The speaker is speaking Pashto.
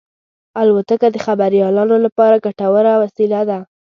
الوتکه د خبریالانو لپاره ګټوره وسیله ده.